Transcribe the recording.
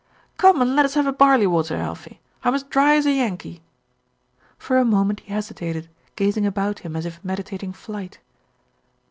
"Come and let us have a barley water, Alfie. I'm as dry as a Yankee." For a moment he hesitated, gazing about him as if meditating flight.